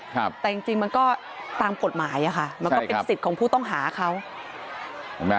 แต่จริงมันก็ตามกฎหมายค่ะมันก็เป็นสิทธิ์ของผู้ต้องหาเขา